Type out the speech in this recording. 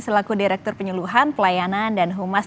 selaku direktur penyeluhan pelayanan dan humas